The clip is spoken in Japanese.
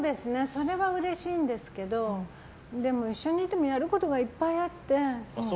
それはうれしいんですけどでも、一緒にいてもやることがいっぱいあって。